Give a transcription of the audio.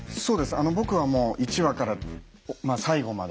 あの僕はもう１話から最後まで。